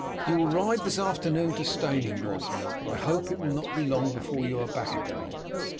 You will ride this afternoon for Steyning, Wulf, but I hope it will not be long before you are back again.